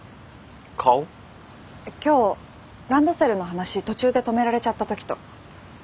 今日ランドセルの話途中で止められちゃった時と。